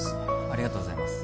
ありがとうございます